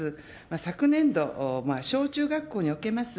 昨年度、小中学校におけます